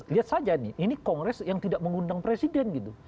lihat saja nih ini kongres yang tidak mengundang presiden gitu